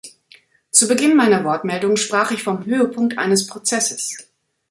Zu Beginn meiner Wortmeldung sprach ich vom Höhepunkt eines Prozesses.